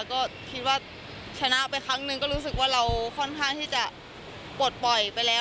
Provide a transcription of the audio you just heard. ก็คิดว่าชนะไปครั้งหนึ่งก็รู้สึกว่าเราค่อนข้างที่จะปลดปล่อยไปแล้ว